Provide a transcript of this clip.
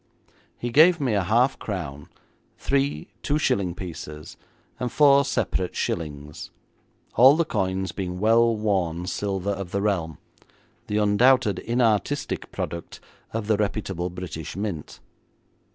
He gave me half a crown, three two shilling pieces, and four separate shillings, all the coins being well worn silver of the realm, the undoubted inartistic product of the reputable British Mint.